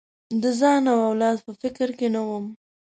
د ځان او اولاد په فکر کې نه وم.